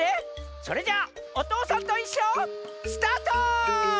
それじゃあ「おとうさんといっしょ」スタート！